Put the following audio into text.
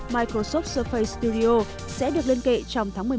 microsoft surface studio sẽ được lên kệ trong tháng một mươi một